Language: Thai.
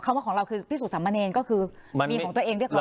คำว่าของเราคือพิสูจน์สำมันเอนก็คือมีของตัวเองด้วยความแยก